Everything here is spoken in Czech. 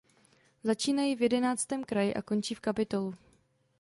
Začínají v jedenáctém kraji a končí v Kapitolu.